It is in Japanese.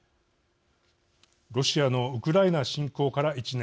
ロシアのウクライナ侵攻から１年。